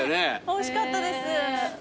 おいしかったです。